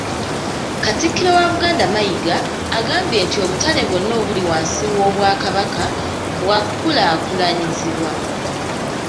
Katikkiro wa Buganda Mayiga, agambye nti obutale bwonna obuli wansi w’Obwakabaka bwakulaakulanyizibwa.